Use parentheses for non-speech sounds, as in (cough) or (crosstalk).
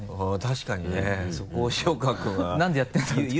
確かにねそこを塩川君は。何でやってるんだろうと (laughs)